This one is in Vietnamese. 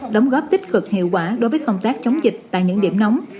đóng góp tích cực hiệu quả đối với công tác chống dịch tại những điểm nóng